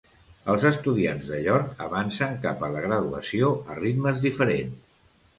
Els estudiants de York avancen cap a la graduació a ritmes diferents.